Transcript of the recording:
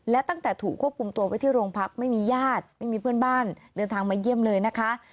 และตั้งแต่ถูกควบคุมตัวไว้ที่โรงพักไม่มีญาติไม่มีเพื่อนบ้านเดินทางมาเยี่ยมเลยนะคะ